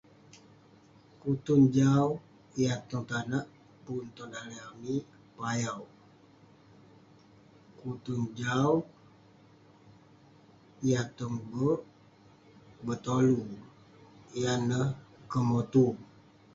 Kutun jau yah tong tanak pun tong daleh amik ; payau. Kutun jau yah tong be'ek ; betolu yan neh kemotu.